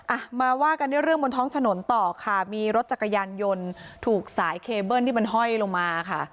อ่ะมาว่ากันด้วยเรื่องบนท้องถนนต่อค่ะมีรถจักรยานยนต์ถูกสายเคเบิ้ลที่มันห้อยลงมาค่ะ